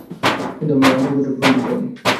কিন্তু আমি ঐ আন্তরিকতাটা কোনদিন পাই নি।